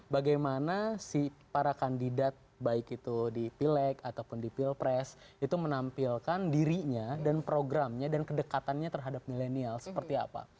bagaimana si para kandidat baik itu di pileg ataupun di pilpres itu menampilkan dirinya dan programnya dan kedekatannya terhadap milenial seperti apa